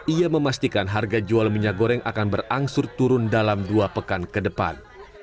ia memastikan harga jual minyak goreng akan berangsur turun dalam dua pekan ke depan